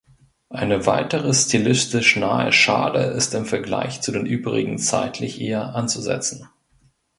Eine weitere stilistisch nahe Schale ist im Vergleich zu den übrigen zeitlich eher anzusetzen.